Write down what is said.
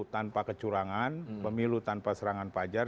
tanpa kecurangan pemilu tanpa serangan pajar